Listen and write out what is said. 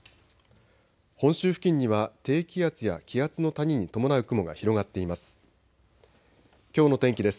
本州付近には低気圧や気圧の谷に伴う雲が広がっています。